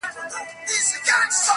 چي شال يې لوند سي د شړۍ مهتاجه سينه.